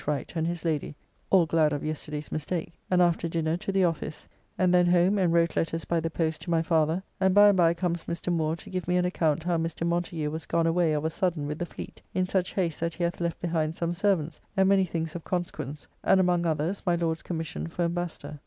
Wright and his lady, all glad of yesterday's mistake, and after dinner to the office, and then home and wrote letters by the post to my father, and by and by comes Mr. Moore to give me an account how Mr. Montagu was gone away of a sudden with the fleet, in such haste that he hath left behind some servants, and many things of consequence; and among others, my Lord's commission for Embassador.